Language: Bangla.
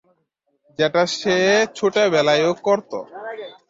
যেটা সে ছোটবেলায়ও করতো।